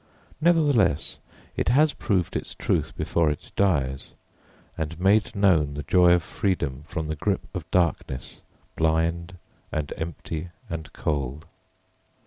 Nevertheless it has proved its truth before it dies, and made known the joy of freedom from the grip of darkness, blind and empty and cold.